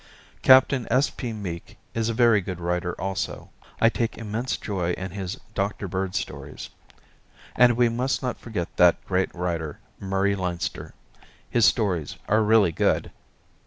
Captain S. P. Meek is a very good writer also. I take immense joy in his Dr. Bird stories. And we must not forget that great writer, Murray Leinster. His stories are really good.